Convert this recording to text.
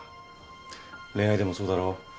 恋愛でもそうだろ？